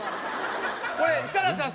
これ設楽さん